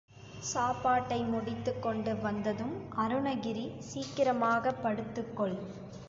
சாப்பாட்டை முடித்துக் கொண்டு வந்ததும் அருணகிரி சீக்கிரமாக படுத்துக் கொள்.